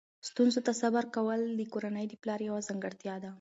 ستونزو ته صبر کول د کورنۍ د پلار یوه ځانګړتیا ده.